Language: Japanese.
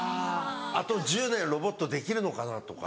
あと１０年ロボットできるのかな？とか。